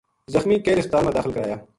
زخمی کیل ہسپتال ما داخل کرایا